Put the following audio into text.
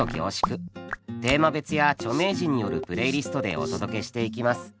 テーマ別や著名人によるプレイリストでお届けしていきます。